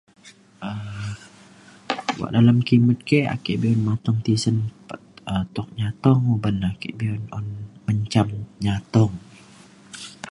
um kuak dalem kimet ke ake be’un mateng tisen p- tuk nyatung uban ake be’un un menjam nyatong